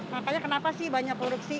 makanya kenapa sih banyak korupsi